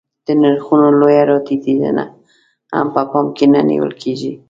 د نرخو لویه راټیټېدنه هم په پام کې نه نیول کېږي